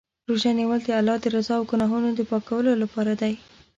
روژه نیول د الله د رضا او ګناهونو د پاکولو لپاره دی.